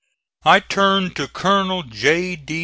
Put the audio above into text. I turned to Colonel J. D.